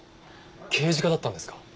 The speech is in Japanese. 刑事課だったんですか？